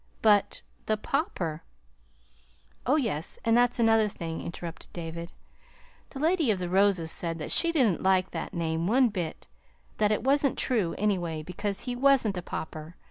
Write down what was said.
"But the Pauper " "Oh, yes, and that's another thing," interrupted David. "The Lady of the Roses said that she didn't like that name one bit; that it wasn't true, anyway, because he wasn't a pauper.